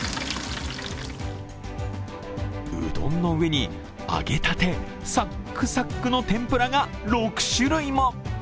うどんの上に、揚げたてサックサクの天ぷらが６種類も。